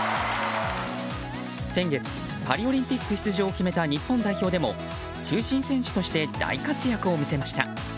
先月、パリオリンピック出場を決めた日本代表でも中心選手として大活躍を見せました。